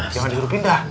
jangan disuruh pindah